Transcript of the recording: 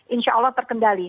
insya allah terkendali